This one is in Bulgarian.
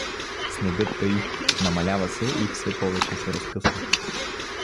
Снегът таи, намалява се и все повече се разкъсва.